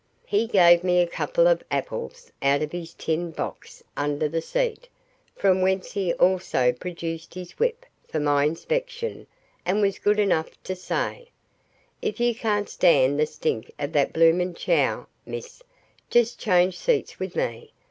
He gave me a couple of apples out of his tin box under the seat, from whence he also produced his whip for my inspection, and was good enough to say: "If you can't stand the stink of that bloomin' chow, miss, just change seats with me.